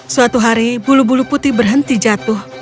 suatu hari bulu bulu putih berhenti jatuh